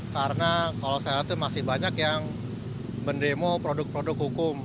karena kalau saya lihat itu masih banyak yang mendemo produk produk hukum